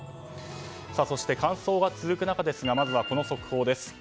そして乾燥が続く中ですがまずはこの速報です。